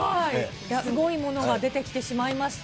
すごいものが出てきてしまいました。